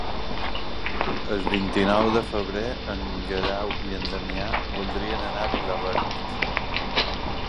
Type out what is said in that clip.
El vint-i-nou de febrer en Guerau i en Damià voldrien anar a Vilaverd.